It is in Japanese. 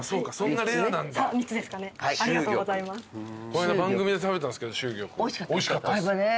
この間番組で食べたんですけど秀玉おいしかったっす。